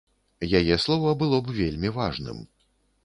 Яе слова было б вельмі важным.